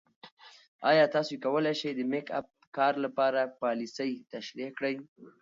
ایا تاسو کولی شئ د میک اپ کار لپاره پالیسۍ تشریح کړئ؟